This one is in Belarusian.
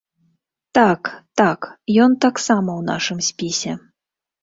Так, так, ён таксама ў нашым спісе.